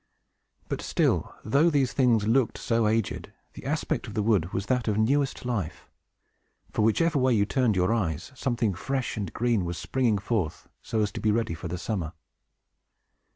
But still, though these things looked so aged, the aspect of the wood was that of the newest life; for, whichever way you turned your eyes, something fresh and green was springing forth, so as to be ready for the summer.